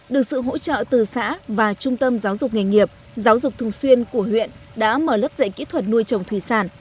được sự hỗ trợ từ xã và trung tâm giáo dục nghề nghiệp giáo dục thùng xuyên của huyện đã mở lớp dạy kỹ thuật nuôi trồng thủy sản